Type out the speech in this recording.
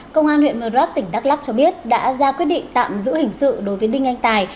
công an huyện mờ đoác tỉnh đắk lắc cho biết đã ra quyết định tạm giữ hình sự đối với đinh anh tài